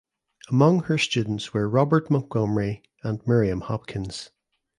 Among her students were Robert Montgomery and Miriam Hopkins.